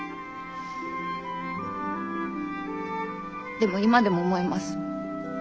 でも今でも思います。